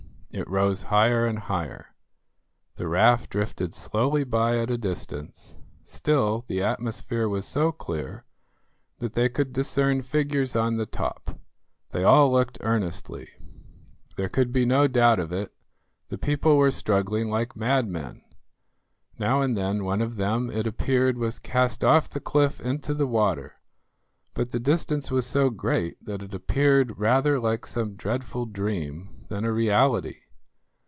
It rose higher and higher. The raft drifted slowly by at a distance; still the atmosphere was so clear that they could discern figures on the top. They all looked earnestly. There could be no doubt of it; the people were struggling like madmen. Now and then one of them, it appeared, was cast off the cliff into the water, but the distance was so great that it appeared rather like some dreadful dream than a reality.